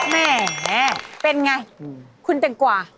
แหมเป็นไงคุณแตงกว่า